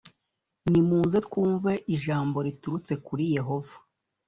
nimuze twumve ijambo riturutse kuri Yehova